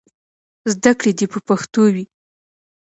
زدهکړې دې په پښتو وي.